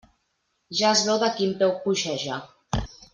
Ja es veu de quin peu coixeja.